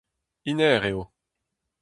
Hennezh eo.